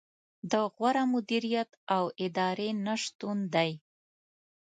د غوره مدیریت او ادارې نه شتون دی.